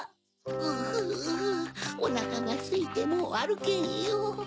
うぅおなかがすいてもうあるけんよ。